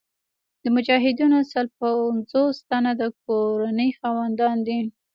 د مجاهدینو سل پنځوس تنه د کورنۍ خاوندان دي.